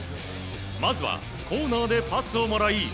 まずはコーナーでパスをもらい